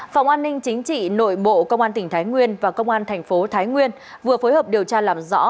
phòng an ninh chính trị nội bộ công an tỉnh thái nguyên và công an thành phố thái nguyên vừa phối hợp điều tra làm rõ